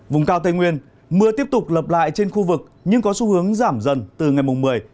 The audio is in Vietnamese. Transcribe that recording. vùng cao tây nguyên mưa tiếp tục lập lại trên khu vực nhưng có xu hướng giảm dần từ ngày mùng một mươi